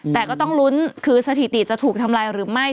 แต่ก็ต้องลุ้นคือสถิติจะถูกทำลายหรือไม่